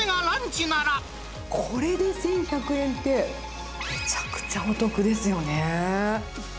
これで１１００円って、めちゃくちゃお得ですよね。